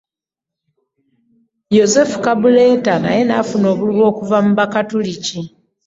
Joseph Kabuleta naye n'afuna obululu okuva mu bakatoliki